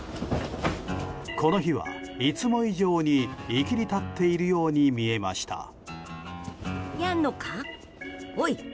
この日は、いつも以上にいきり立っているように見えました。